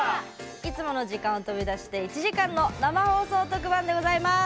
いつもの時間を飛び出して１時間の生放送特番でございます！